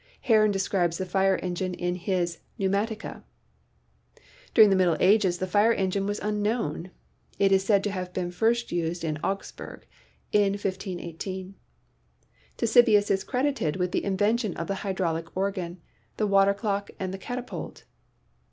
Heron describes the fire engine in his "Pneu matica." During the Middle Ages the fire engine was unknown. It is said to have been first used in Augsburg in 1518. Ctesibius is credited with the invention of the hydraulic organ, the water clock and the catapult.